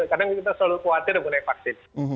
kadang kita selalu khawatir mengenai vaksin